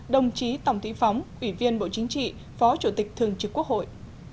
đồng chí tổng thủy phóng ủy viên bộ chính trị phó chủ tịch thường trực quốc hội